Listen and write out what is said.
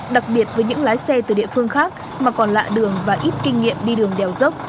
đặc biệt với những lái xe từ địa phương khác mà còn lạ đường và ít kinh nghiệm đi đường đèo dốc